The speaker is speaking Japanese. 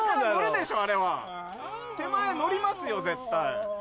手前乗りますよ絶対。